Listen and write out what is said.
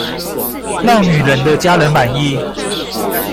讓女人的家人滿意